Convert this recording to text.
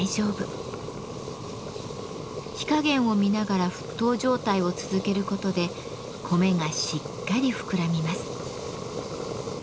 火加減を見ながら沸騰状態を続けることで米がしっかり膨らみます。